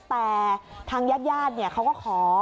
แต่ทางญาติเขาก็ขอ